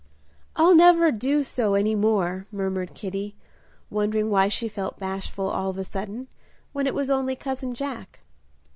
"I'll never do so any more," murmured Kitty, wondering why she felt bashful all of a sudden, when it was only cousin Jack.